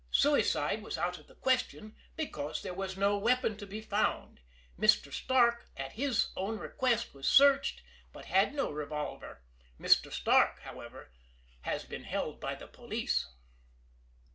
Suicide was out of the question because there was no weapon to be found. Mr. Starke, at his own request, was searched, but had no revolver. Mr. Starke, however, has been held by the police.